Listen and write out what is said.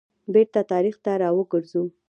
بیرته تاریخ ته را وګرځو.